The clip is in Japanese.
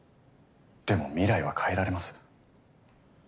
でも未来は変えられます。